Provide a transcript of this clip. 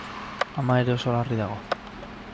Ama ere oso larri dago.